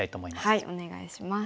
はいお願いします。